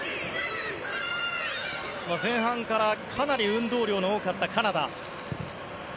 前半から、かなり運動量の多かったカナダ。